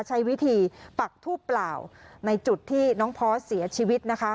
ใช้วิธีปักทูบเปล่าในจุดที่น้องพอสเสียชีวิตนะคะ